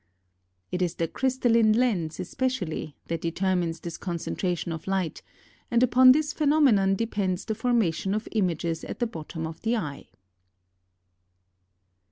It is the chrystalline lens especially that determines this concentra tion of light, and upon this phenomenon depends the formation of images at the bottom of the eye.